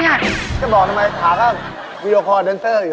เจ้าบอกทำไมถาข้างวีดีโอคอร์เดินเซอร์อยู่